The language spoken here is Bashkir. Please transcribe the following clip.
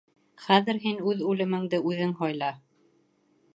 Хәҙер һин үҙ үлемеңде үҙең һайла.